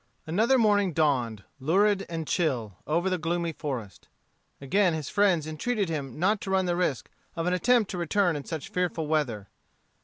Another morning dawned, lurid and chill, over the gloomy forest. Again his friends entreated him not to run the risk of an attempt to return in such fearful weather.